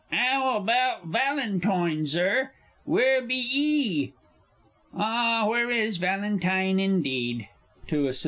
"'Ow 'bout Valentoine, Zur? wheer be 'ee?" Ah, where is Valentine, indeed? (To ASS.)